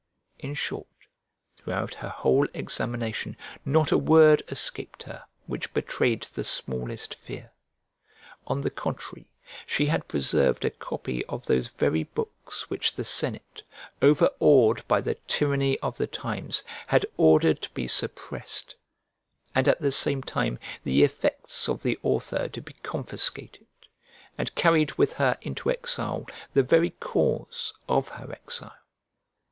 In short, throughout her whole examination, not a word escaped her which betrayed the smallest fear. On the contrary, she had preserved a copy of those very books which the senate, over awed by the tyranny of the times, had ordered to be suppressed, and at the same time the effects of the author to be confiscated, and carried with her into exile the very cause of her exile.